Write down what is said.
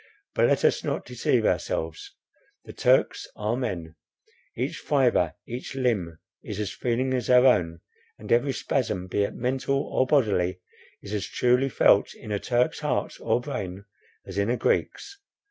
But let us not deceive ourselves. The Turks are men; each fibre, each limb is as feeling as our own, and every spasm, be it mental or bodily, is as truly felt in a Turk's heart or brain, as in a Greek's.